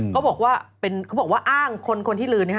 เขาบอกว่าอ้างคนที่ลืน